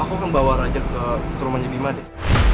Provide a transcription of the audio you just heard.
aku kan bawa raja ke rumahnya bima deh